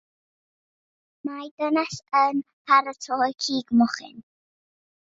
Mae dynes yn paratoi cig mochyn.